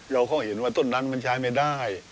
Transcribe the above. เราก็เห็นว่าต้นนั้นมันใช้ไม่ได้